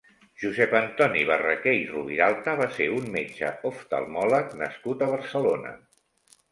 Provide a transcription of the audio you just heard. Josep Antoni Barraquer i Roviralta va ser un metge oftalmòleg nascut a Barcelona.